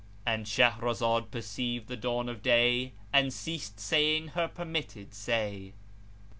—And Shahrazad perceived the dawn of day and ceased saying her permitted say.